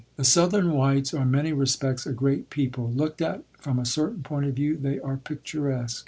The Southern whites are in many respects a great people. Looked at from a certain point of view, they are picturesque.